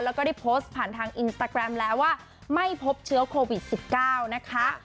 แล้วก็ได้โพสต์ผ่านทางอินสตาแกรมแล้วว่าไม่พบเชื้อโควิด๑๙นะคะ